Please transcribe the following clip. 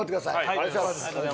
お願いします。